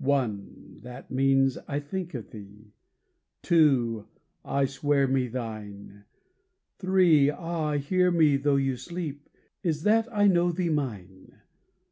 One that means, "I think of thee!" Two "I swear me thine!" Three Ah, hear me tho' you sleep! Is, that I know thee mine!